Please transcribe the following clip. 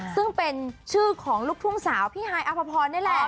ซึ่งเป็นชื่อของลูกทุ่งสาวพี่ฮายอภพรนี่แหละ